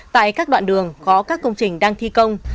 tại các đoạn đường có các công trình đang thi công